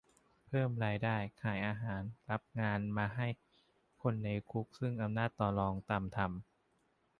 เพิ่มรายได้ ขายอาหาร รับงานมาให้คนในคุกซึ่งอำนาจต่อรองต่ำทำ